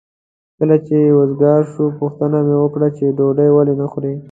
کله چې وزګار شو پوښتنه مې وکړه چې ډوډۍ ولې نه خورې؟